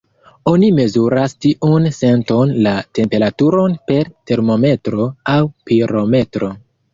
Oni mezuras tiun senton, la temperaturon, per termometro aŭ pirometro.